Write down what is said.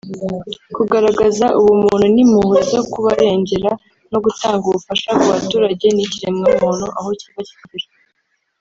kugaragaza ubumuntu n’impuhwe zo kubarengera no gutanga ubufasha ku baturage n’ikiremwamuntu aho kiva kikagera